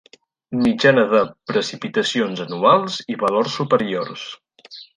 Mitjanes de precipitacions anuals i valors superiors.